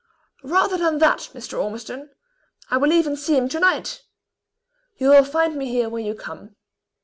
"Rather than that, Mr. Ormiston, I will even see him tonight. You will find me here when you come."